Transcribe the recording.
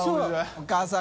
お母さん。